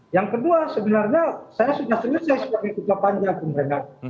yang kedua sebenarnya saya sudah selesai sebagai ketua panja bung renat